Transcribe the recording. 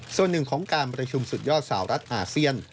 ส่วนหนึ่งของการประชุมสุดยอดสาวรัฐอาเซียน